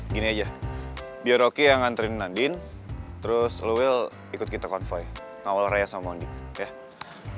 gini aja biar rocky yang ngantriin nadine terus lo will ikut kita konvoy ngawal rai sama bondi ya